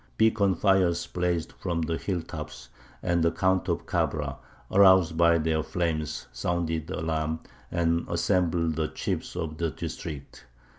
Beacon fires blazed from the hill tops, and the Count of Cabra, aroused by their flames, sounded the alarm, and assembled the chiefs of the district.